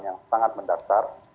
yang sangat mendatar